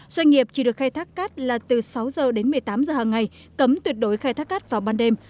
doanh nghiệp chỉ được khai thác cát là từ sáu h đến một mươi tám giờ hàng ngày cấm tuyệt đối khai thác cát vào ban đêm